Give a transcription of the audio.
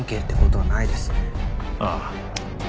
ああ。